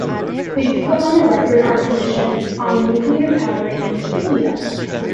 We've put on the record our position on nuclear power and India.